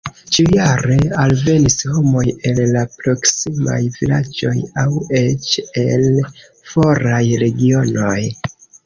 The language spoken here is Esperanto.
Ĉiujare alvenis homoj el la proksimaj vilaĝoj aŭ eĉ el foraj regionoj.